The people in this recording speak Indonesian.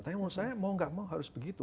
tapi menurut saya mau gak mau harus begitu